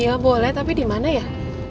iya boleh tapi dimana ya